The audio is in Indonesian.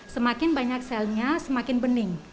semakin banyak selnya semakin bening